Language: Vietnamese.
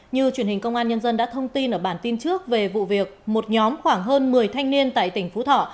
như truyền hình công an nhân dân đã thông tin ở bản tin trước về vụ việc một nhóm khoảng hơn một mươi thanh niên tại tỉnh phú thọ